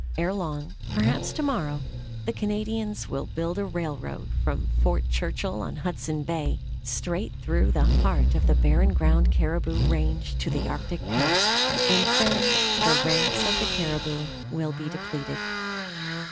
Ere long, perhaps to morrow, the Canadians will build a railroad from Fort Churchill, on Hudson Bay, straight through the heart of the Barren Ground caribou range to the Arctic coast, and then the ranks of the caribou will be depleted.